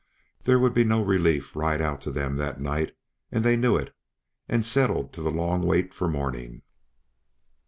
There would be no relief ride out to them that night, and they knew it and settled to the long wait for morning.